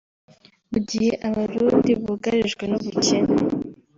Mu gihe Abarundi bugarijwe n’ubukene